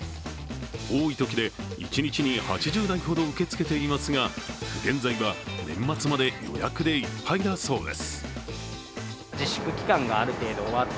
多いときで一日に８０台ほど受け付けていますが、現在は年末まで予約でいっぱいだそうです。